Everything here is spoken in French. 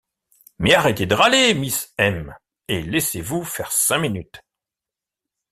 Mais arrêtez de râler, Miss M. , et laissez-vous faire cinq minutes.